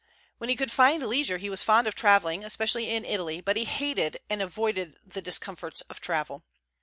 When he could find leisure he was fond of travelling, especially in Italy; but he hated and avoided the discomforts of travel.